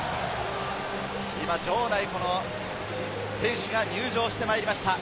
場内、選手が入場してまいりました。